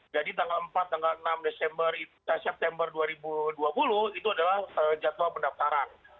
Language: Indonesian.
jadi tanggal empat tanggal enam september dua ribu dua puluh itu adalah jadwal pendaftaran